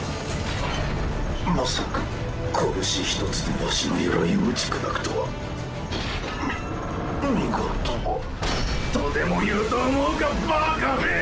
まさか拳一つでわしの鎧を打ち砕くとはみ見事とでも言うと思うかバカめ！